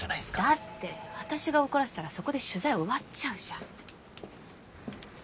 だって私が怒らせたらそこで取材終わっちゃうじゃん。